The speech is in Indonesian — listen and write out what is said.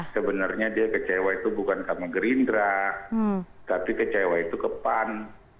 sebenarnya dia kecewa itu bukan sama gerindra tapi kecewa itu ke pan